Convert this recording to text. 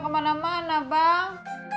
perlu kemana mana bang